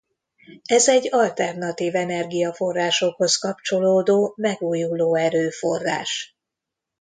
Ez egy alternatív energiaforrásokhoz kapcsolódó megújuló erőforrás.